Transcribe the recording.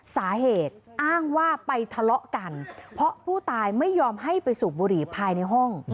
สาเหตุอ้างว่าไปทะเลาะกันเพราะผู้ตายไม่ยอมให้ไปสูบบุหรี่ภายในห้อง